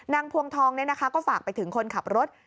นางพวงทองเนี่ยนะคะก็ฝากไปถึงคนขับรถ